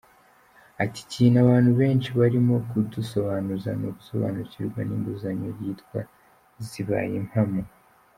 Ati “Ikintu abantu benshi barimo kudusobanuza ni ugusobanukirwa n’inguzanyo yitwa ‘Zibaye Impamo’.